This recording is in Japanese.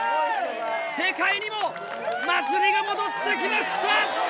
世界にも祭りが戻ってきました！